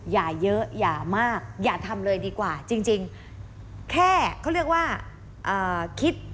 อย่าเยอะอย่ามากอย่าทำเลยดีกว่าจริงแค่เขาเรียกว่าคิด